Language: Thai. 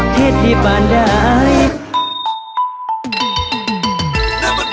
เทศที่บ้านได้